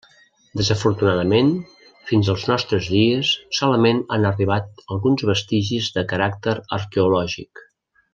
Desafortunadament, fins als nostres dies solament han arribat alguns vestigis de caràcter arqueològic.